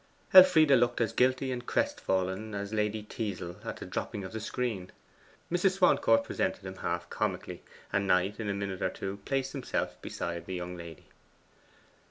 Elfride looked as guilty and crestfallen as Lady Teazle at the dropping of the screen. Mrs. Swancourt presented him half comically, and Knight in a minute or two placed himself beside the young lady.